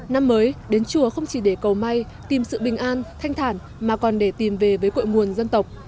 năm mới đến chùa không chỉ để cầu may tìm sự bình an thanh thản mà còn để tìm về với cội nguồn dân tộc